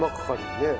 ねえ。